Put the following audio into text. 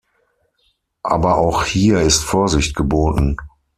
Aber auch hier ist Vorsicht geboten.